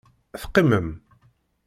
Teqqimem.